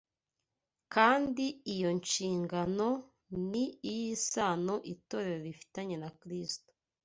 kandi iyo nshingano ni iy’isano itorero rifitanye na Kristo